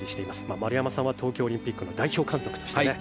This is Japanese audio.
丸山さんは東京オリンピックの代表監督でしたね。